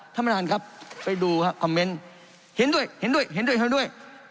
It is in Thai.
ท่านประธานครับไปดูครับคอมเมนต์เห็นด้วยเห็นด้วยเห็นด้วยเขาด้วย